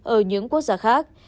ở những quốc gia khác